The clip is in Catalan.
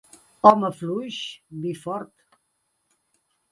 Home fluix, vi fort.